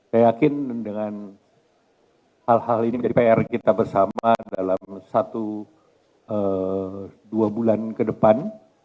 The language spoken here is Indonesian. saya yakin dengan hal hal ini menjadi pr kita bersama dalam satu dua bulan ke depan